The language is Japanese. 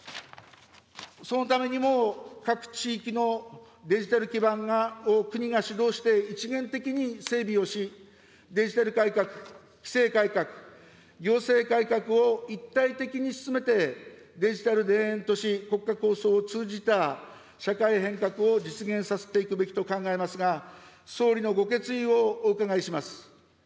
そのためにも、各地域のデジタル基盤が、国が主導して、一元的に整備をし、デジタル改革、規制改革、行政改革を一体的に進めて、デジタル田園都市国家構想を通じた社会変革を実現させていくべきと考えますが、総理のご決意をお伺いします。